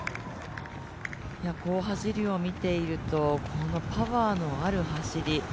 こう走りを見ていると、このパワーのある走り。